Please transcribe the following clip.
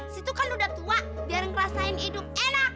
situ kan udah tua biar ngerasain hidup enak